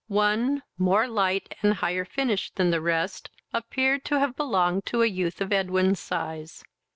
One, more light and higher finished than the rest, appeared to have belonged to a youth of Edwin's size.